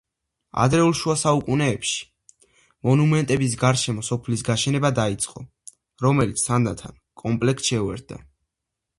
ადრეულ შუა საუკუნეებში, მონუმენტების გარშემო სოფლის გაშენება დაიწყო, რომელიც თანდათან კომპლექსს შეერია.